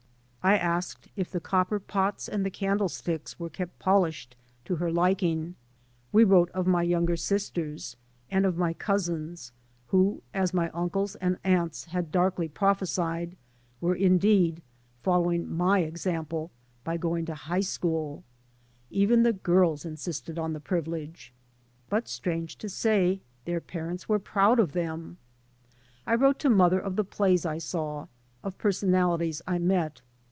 I asked if the copper pots and the candle sticks were kept polished to her liking. We wrote [1S»] D.D.t.zea by Google MY MOTHER AND I of my younger sisters, and of my cousins, who, as my uncles and aunts had darkly prophesied, were indeed following " my ex* ample " by going to high school ; even the girls insisted on the privilege. But strange to say — their parents were proud of them I I wrote to mother of the plays I saw, of per sonalities I met.